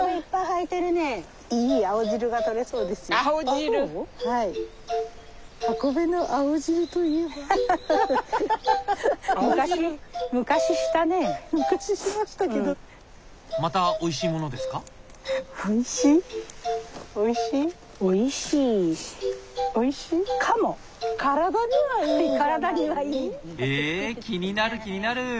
ええ気になる気になる！